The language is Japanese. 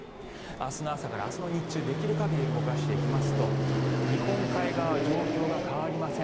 明日の朝から明日の日中できる限りで動かしていきますと日本海側、状況が変わりません。